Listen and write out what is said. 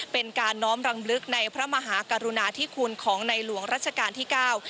เป็นการน้อมรำลึกในพระมหากรุณาธิคุณของในหลวงรัชกาลที่เก้า